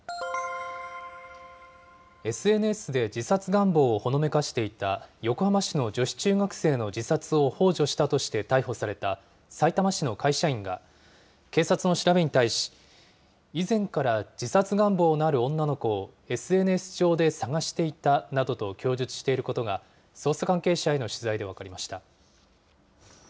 ＳＮＳで自殺願望をほのめかしていた横浜市の女子中学生の自殺をほう助したとして逮捕された、さいたま市の会社員が、警察の調べに対し、以前から自殺願望のある女の子をＳＮＳ上で探していたなどと供述していることが捜査関係者への取材で分かりました。